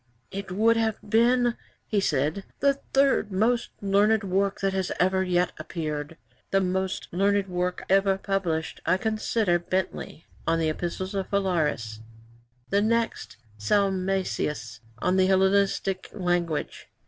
'"It would have been," he said, "the third most learned work that has ever yet appeared. The most learned work ever published I consider Bentley On the Epistles of Phalaris; the next Salmasius On the Hellenistic Language."